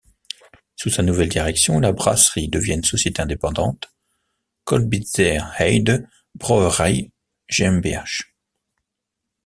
Sous sa nouvelle direction, la brasserie devient une société indépendante, Colbitzer Heide-Brauerei GmbH.